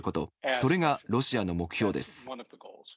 それがロシアの目標です。